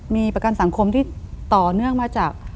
มีประกันสังคมที่ต่อเนื่องมาจาก